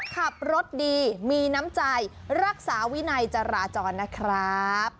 ขับรถดีมีน้ำใจรักษาวินัยจราจรนะครับ